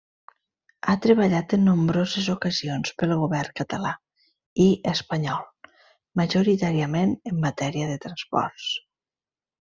Ha treballat en nombroses ocasions pel Govern català i espanyol, majoritàriament en matèria de transports.